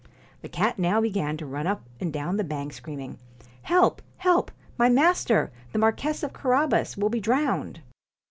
The cat now began to run up and down the bank, screaming :' Help 1 help ! my master, the Marquess of Carabas, will be drowned.'